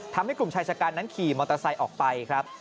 ทำให้กลุ่มชายชะกันนั้นขี่มอเตอร์ไซค์ออกไปครับ